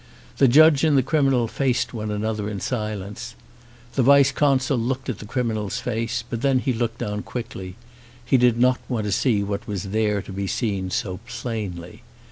The judge and the criminal faced one another in silence. The vice consul looked at the criminal's face, but then he looked down quickly: he did not want to see what was there to be seen so plainly.